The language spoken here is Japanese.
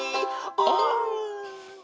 「オン！」